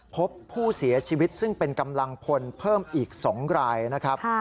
พบผู้เสียชีวิตซึ่งเป็นกำลังพลเพิ่มอีก๒รายนะครับ